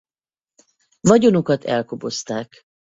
Vagyonukat elkobozták.